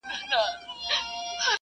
موټر چلونکي د خپل پلار خبرې په یاد لرلې.